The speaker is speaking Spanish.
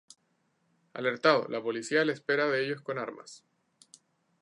Alertado, la policía le espera de ellos con armas.